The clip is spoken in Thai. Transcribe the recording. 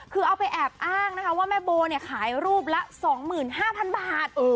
คือเอาไปแอบอ้างนะคะว่าแม่โบขายรูปละ๒๕๐๐๐บาท